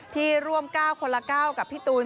ที่ร่วม๙คนละ๙กับพี่ตูน